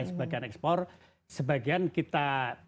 sebagai ekspor sebagian kita